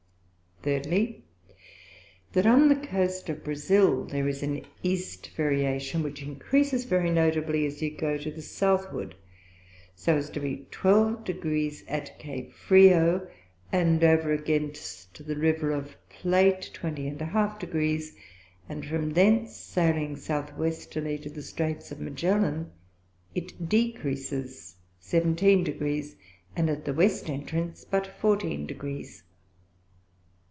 Thirdly, That on the Coast of Brasile there is East Variation, which increases very notably as you go to the Southward, so as to be 12 Degrees at Cape Frio, and over against the River of Plate 20½ Degrees: And from thence Sailing South Westerly to the Straits of Magellan it decreases 17 Degrees, and at the West Entrance but 14 Degrees.